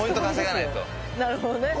なるほどね。